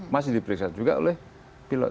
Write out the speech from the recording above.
masih diperiksa juga oleh pilot